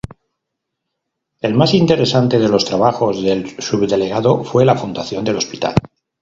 El más interesante de los trabajos del subdelegado fue la fundación del hospital.